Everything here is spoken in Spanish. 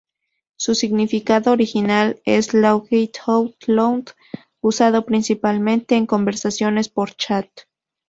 Su significado original es "Laughing Out Loud", usado principalmente en conversaciones por chat.